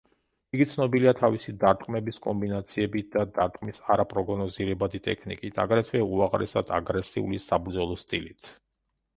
იგი ცნობილია თავისი დარტყმების კომბინაციებით და დარტყმის არაპროგნოზირებადი ტექნიკით, აგრეთვე უაღრესად აგრესიული საბრძოლო სტილით.